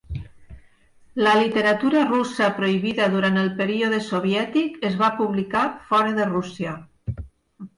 La literatura russa prohibida durant el període soviètic es va publicar fora de Rússia.